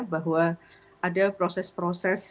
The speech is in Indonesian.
bahwa ada proses proses